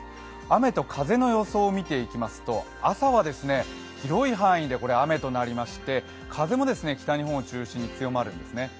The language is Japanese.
雨と風の予想を見ていきますと朝は広い範囲で雨となりまして風も北日本を中心に強まるんですね。